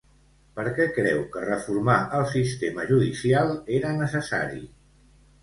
Per què creu que reformar el sistema judicial era necessari?